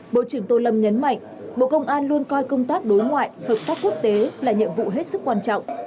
bộ trưởng tô lâm nhấn mạnh bộ công an luôn coi công tác đối ngoại hợp tác quốc tế là nhiệm vụ hết sức quan trọng